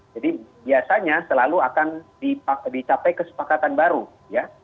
jadi biasanya selalu akan dicapai kesepakatan baru ya